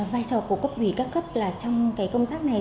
vai trò của cấp ủy các cấp là trong cái công tác này